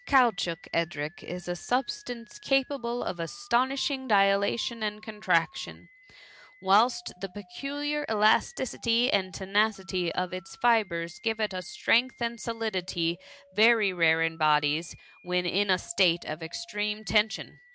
Caoutchouc, Edric, is a substance capable of astonishing dilation and contraction ; whilst the peculiar elasticity and tenacity of its fibres give it a strength and solidity, very rare in bo dies when in a state of extreme tension.